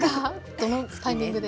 どのタイミングで？